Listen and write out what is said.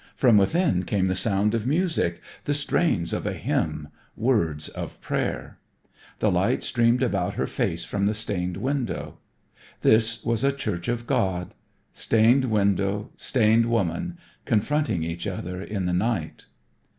From within came the sound of music, the strains of a hymn, words of prayer. The light streamed about her face from the stained window. This was a Church of God. Stained window, stained woman, confronting each other in the night!